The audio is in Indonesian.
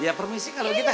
ya permisi kalau kita